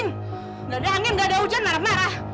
tidak ada angin nggak ada hujan marah marah